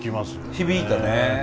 響いたね。